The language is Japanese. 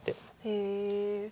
へえ。